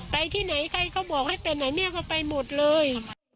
ไปที่ไหนใครเขาบอกให้ไปไหนเนี่ยเขาไปหมดเลย